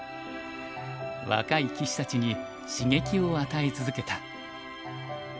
若い棋士たちに刺激を与え続けた。